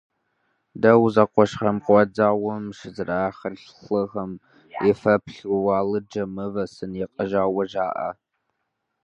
Дау зэкъуэшхэм гъуэт зауэм щызэрахьа лӏыгъэм и фэеплъу алыджхэм мывэ сын ягъэжауэ жаӏэ.